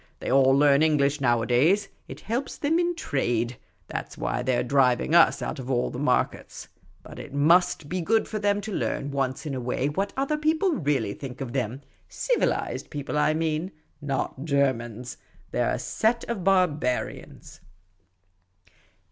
They all learn Eng lish nowadays ; it helps them in trade — that 's why they 're driving us out of all the markets. But it viust be good for them to learn once in a way what other people really think of them — civilised people, I mean ; not Germans. They 're a set of barbarians."